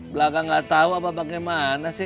belakang tidak tahu apa bagaimana sih